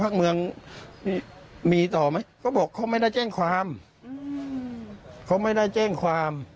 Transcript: เขาไม่ได้แจ้งความ